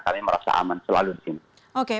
kami merasa aman selalu di sini